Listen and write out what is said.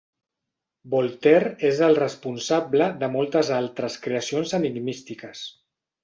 Voltaire és el responsable de moltes altres creacions enigmístiques.